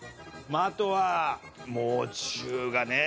あとはもう中がね。